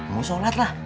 mau sholat lah